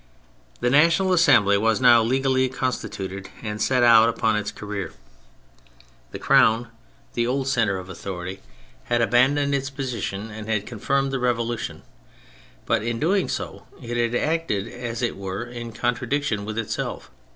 The National Assembly was now legally constituted, and set out upon its career. The Crown, the old centre of authority, had 92 THE FRENCH REVOLUTION abandoned its position, and had confirmed the Revolution, but in doing so it had acted as it were in contradiction with itself.